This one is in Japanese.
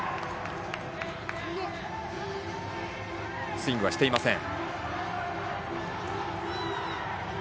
スイングはしていません。